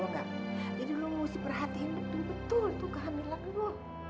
jadi lu mesti perhatikan betul betul kehamilan lu